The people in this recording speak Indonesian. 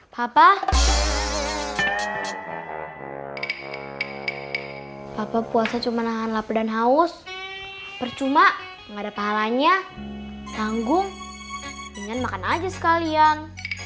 papa puasa cuma nahan lapa dan haus percuma gak ada pahalanya tanggung pengen makan aja sekalian